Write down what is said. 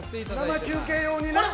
◆生中継用にね。